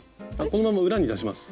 このまま裏に出します。